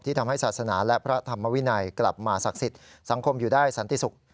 ทำให้ศาสนาและพระธรรมวินัยกลับมาศักดิ์สิทธิ์สังคมอยู่ได้สันติสุข